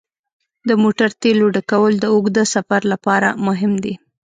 د موټر تیلو ډکول د اوږده سفر لپاره مهم دي.